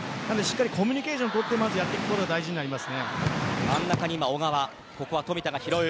しっかりコミュニケーションをとって、やっていくことがまず大事です。